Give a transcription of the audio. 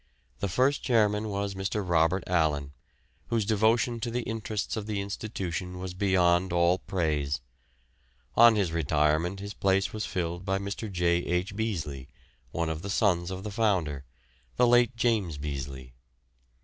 The first chairman was Mr. Robert Allan, whose devotion to the interests of the institution was beyond all praise. On his retirement his place was filled by Mr. J. H. Beazley, one of the sons of the founder, the late James Beazley.